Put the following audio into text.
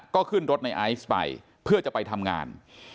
ก็ขึ้นรถในไอซ์ไปเพื่อจะไปทำงาน